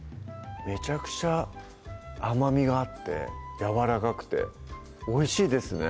めちゃくちゃ甘みがあってやわらかくておいしいですね